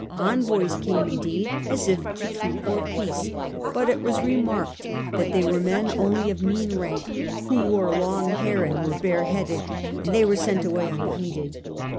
Envoys came, indeed, as if to treat for peace ; but it was remarked that they were men only of mean rank, who A D foa hair and went bareheaded, and they were sent away unheeded.